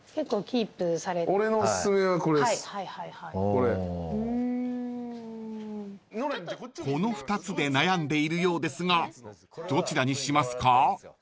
［この２つで悩んでいるようですがどちらにしますか？］